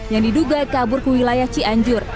yang diduga kabur ke wilayah cianjur